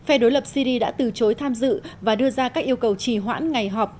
phe đối lập syri đã từ chối tham dự và đưa ra các yêu cầu trì hoãn ngày họp